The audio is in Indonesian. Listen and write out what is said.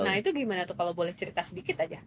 nah itu gimana tuh kalau boleh cerita sedikit aja